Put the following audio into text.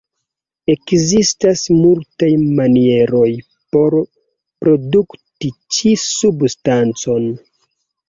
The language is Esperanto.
Ekzistas multaj manieroj por produkti ĉi-substancon.